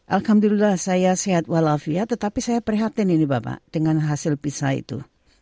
alhamdulillah saya sehat walafiat tetapi saya perhatian ini bapak dengan hasil pisa itu